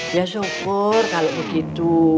ya syukur kalau begitu